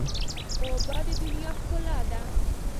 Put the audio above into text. اوبه د دنیا ښکلا ده.